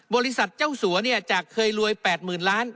บริษัทเจ้าสัวเนี่ยจากเคยรวยแปดหมื่นล้าน